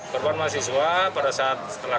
korban mahasiswa pada saat setelah